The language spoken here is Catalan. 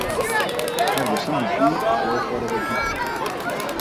Arc de Sant Martí, plou fora d'aquí.